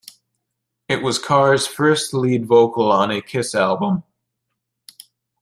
It was Carr's first lead vocal on a Kiss album.